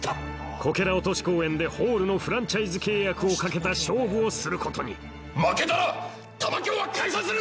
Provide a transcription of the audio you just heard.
こけら落とし公演でホールのフランチャイズ契約を懸けた勝負をすることに負けたら玉響は解散する！